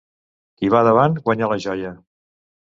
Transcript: Qui va davant guanya la joia.